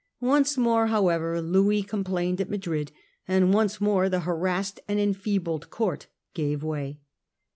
Once more however Louis complained at Madrid, and once more the harassed and enfeebled court gave way.